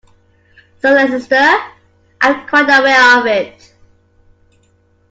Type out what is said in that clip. Sir Leicester, I am quite aware of it.